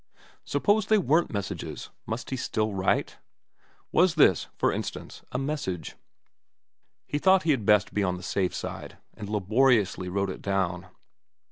Suppose they weren't messages, must he still write ? Was this, for instance, a message ? He thought he had best be on the safe side, and laboriously wrote it down.